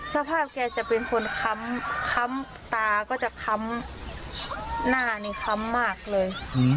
สภาพแกจะเป็นคนค้ำค้ำตาก็จะค้ำหน้านี่ค้ำมากเลย